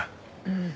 うん。